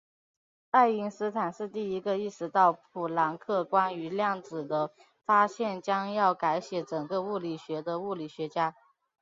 爱因斯坦是第一个意识到普朗克关于量子的发现将要改写整个物理学的物理学家。